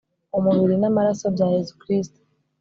umubiri, n'amaraso bya yezu kristu